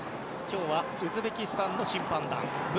今日はウズベキスタンの審判団。